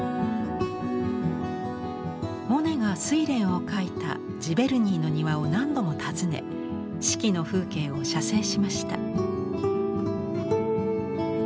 モネが「睡蓮」を描いたジヴェルニーの庭を何度も訪ね四季の風景を写生しました。